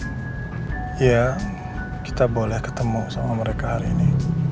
iya kita boleh ketemu sama mereka hari ini